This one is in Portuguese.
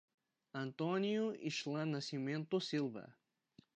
Antônio Islan Nascimento Silva